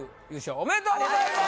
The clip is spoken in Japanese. ありがとうございます！